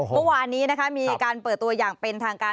เมื่อวานนี้นะคะมีการเปิดตัวอย่างเป็นทางการ